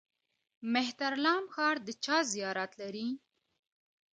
مهترلام ښار د چا زیارت لري؟